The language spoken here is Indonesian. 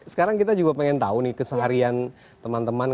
sekarang kita juga pengen tahu nih keseharian teman teman